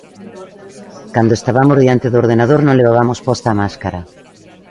Cando estabamos diante do ordenador non levabamos posta a máscara.